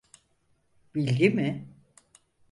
Bilgi mi?